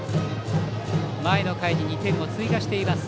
前の回に２点を追加しています